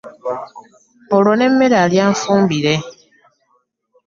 Olwo n’emmere alya nfumbire.